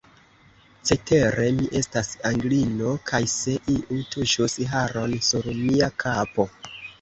Cetere, mi estas Anglino, kaj se iu tuŝus haron sur mia kapo!